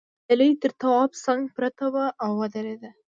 نجلۍ تر تواب څنگ پرته وه او ودرېده.